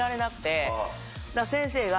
先生が。